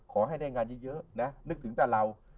ขอให้ได้งานเยอะนะนึกถึงแต่เรา